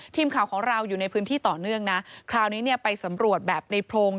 ทีมข่าวของเราอยู่ในพื้นที่ต่อเนื่องนะคราวนี้เนี่ยไปสำรวจแบบในโพรง